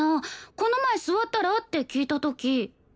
この前「座ったら？」って聞いた時。